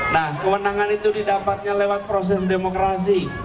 nah kewenangan itu didapatnya lewat proses demokrasi